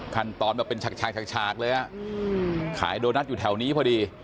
ขั้นตอนแบบเป็นฉากเลยขายโดนัทอยู่แถวนี้พอดี